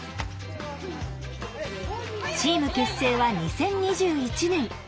チーム結成は２０２１年。